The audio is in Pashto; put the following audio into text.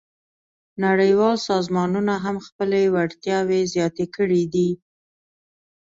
نړیوال سازمانونه هم خپلې وړتیاوې زیاتې کړې دي